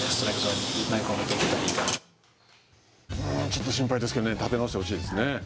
ちょっと心配ですけれども立て直してほしいですね。